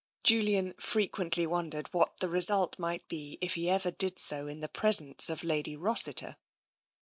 Julian frequently wondered what the result might be if he ever did so in the presence of Lady Rossiter.